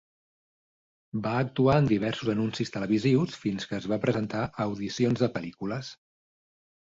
Va actuar en diversos anuncis televisius fins que es va presentar a audicions de pel·lícules.